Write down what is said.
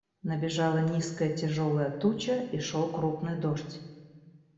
Набежала низкая, тяжелая туча, и шел крупный дождь.